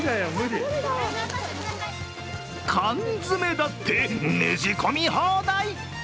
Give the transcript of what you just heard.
缶詰だって、ねじ込み放題。